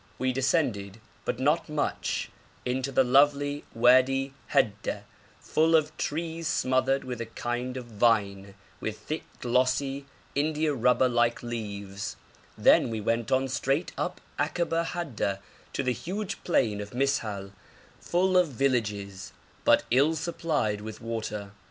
We descended, but not much, into the lovely Wadi Hadda, full of trees smothered with a kind of vine with thick glossy indiarubber like leaves; then we went on straight up Akaba Hadda to the huge plain of Mis'hal, full of villages, but ill supplied with water.